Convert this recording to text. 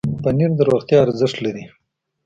پنېر د روغتیا ارزښت لري.